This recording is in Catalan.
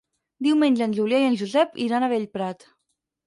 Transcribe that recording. Diumenge en Julià i en Josep iran a Bellprat.